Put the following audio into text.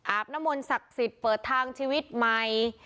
บนศักดิ์สิทธิ์เปิดทางชีวิตใหม่